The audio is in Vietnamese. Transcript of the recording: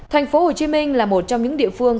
thành phố hồ chí minh là một trong những địa phương